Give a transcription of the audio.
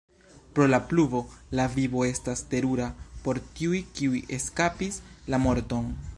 Pro la pluvo, la vivo estas terura por tiuj kiuj eskapis la morton.